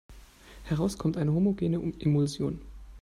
Heraus kommt eine homogene Emulsion.